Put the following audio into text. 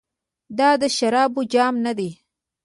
دا د شرابو جام ندی.